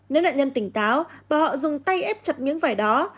nếu nạn nhân tỉnh táo bà họ dùng tay ép chặt miếng vải đó